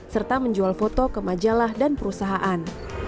serta menjual foto ke majalah dan perusahaan